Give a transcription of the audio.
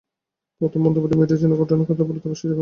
প্রথম মন্তব্য-মেয়েটি যে ঘটনার কথা বলছে, তা বিশ্বাসযোগ্য নয়।